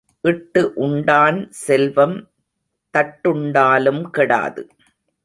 இட்டு உண்டான் செல்வம் தட்டுண்டாலும் கெடாது.